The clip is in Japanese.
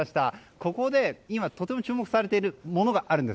ここで今、とても注目されているものがあります。